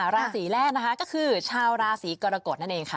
ราศีแรกนะคะก็คือชาวราศีกรกฎนั่นเองค่ะ